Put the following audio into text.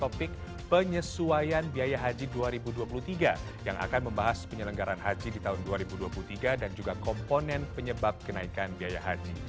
topik penyesuaian biaya haji dua ribu dua puluh tiga yang akan membahas penyelenggaran haji di tahun dua ribu dua puluh tiga dan juga komponen penyebab kenaikan biaya haji